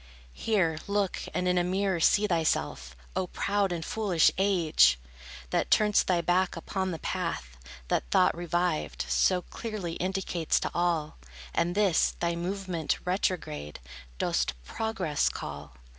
Here look, and in a mirror see thyself, O proud and foolish age! That turn'st thy back upon the path, That thought revived So clearly indicates to all, And this, thy movement retrograde, Dost Progress call.